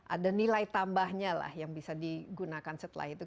ada nilai tambahnya lah yang bisa digunakan setelah itu